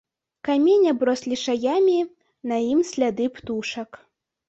Камень аброс лішаямі, на ім сляды птушак.